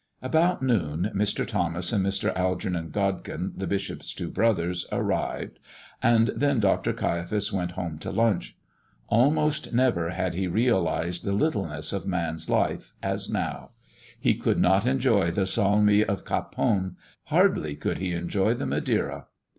About noon Mr. Thomas and Mr. Algernon Godkin, the bishop's two brothers, arrived, and then Dr. Caiaphas went home to lunch. Almost never had he realized the littleness of man's life as now. He could not enjoy the salmi of capon hardly could he enjoy the Madeira.